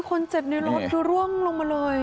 ใครมาเก็บแดดโอ้ยคนเจ็บในรถดูร่วงลงมาเลย